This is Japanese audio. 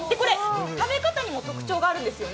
食べ方にも特徴があるんですよね？